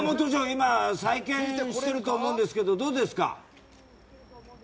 今、再建してると思うんですけどどうですか？